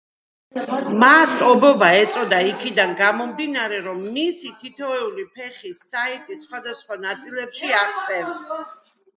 მას ობობა ეწოდა იქიდან გამომდინარე, რომ მისი თითოეული ფეხი საიტის სხვადასხვა ნაწილებში აღწევს.